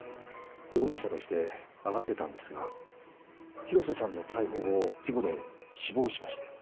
容疑者として挙がってたんですが広瀬さんの逮捕後事故で死亡しまして。